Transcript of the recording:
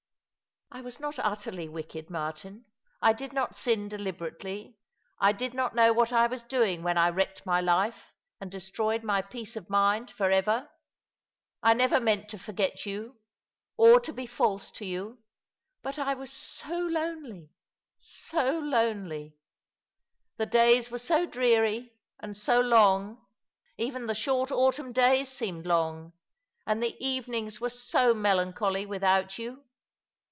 "I was not utterly wicked, Martin. I did not sin deliberately — I did not know what I was doing when I wrecked my life and destroyed my peace of mind for ever. I never meant to forget you — or to be false to you — but I was so lonely — so lonely. The days were so dreary and so long — even the short autumn days seemed long — and the evenings were so melancholy without you.